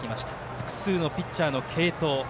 複数のピッチャーの継投。